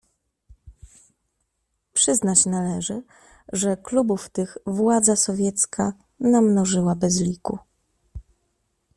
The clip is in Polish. "Przyznać należy, że klubów tych władza sowiecka namnożyła bez liku."